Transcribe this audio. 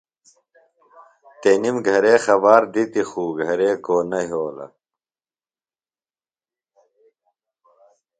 تنِم گہرےۡ خبار دِتیۡ خو گہرےۡ کو نہ یھولہ۔